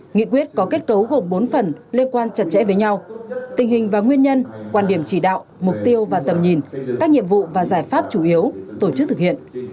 nghị quyết có kết cấu gồm bốn phần liên quan chặt chẽ với nhau tình hình và nguyên nhân quan điểm chỉ đạo mục tiêu và tầm nhìn các nhiệm vụ và giải pháp chủ yếu tổ chức thực hiện